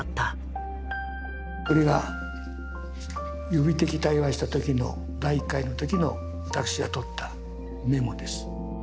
これが予備的対話した時の第１回の時の私が取ったメモです。